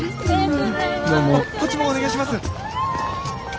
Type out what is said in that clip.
こっちもお願いします。